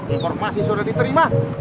informasi sudah diterima